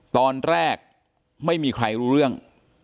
ตอนแรกไม่มีใครรู้เรื่อง